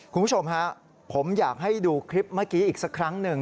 คุณผู้ชมฮะผมอยากให้ดูคลิปเมื่อกี้อีกสักครั้งหนึ่ง